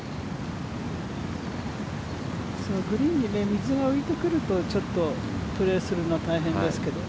グリーンに水が浮いてくるとプレーするのは大変ですけど。